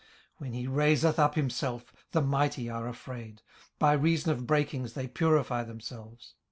18:041:025 When he raiseth up himself, the mighty are afraid: by reason of breakings they purify themselves.